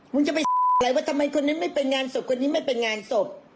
มึงจะไปอะไรว่าทำไมคนนั้นไม่เป็นงานศพคนนี้ไม่ไปงานศพ